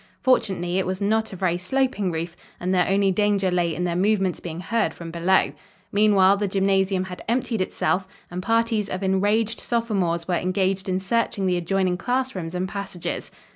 Fortunately, it was not a very sloping roof, and their only danger lay in their movements being heard from below. Meanwhile the gymnasium had emptied itself, and parties of enraged sophomores were engaged in searching the adjoining class rooms and passages.